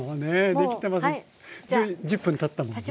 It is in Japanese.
で１０分たったんですね。